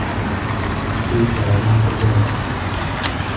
كيف علمتِ ذلك؟